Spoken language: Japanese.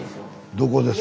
どこです？